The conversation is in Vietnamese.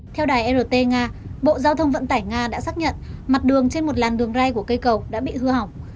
theo đài rt nga bộ giao thông vận tải nga đã xác nhận mặt đường trên một làn đường ray của cây cầu đã bị hư hỏng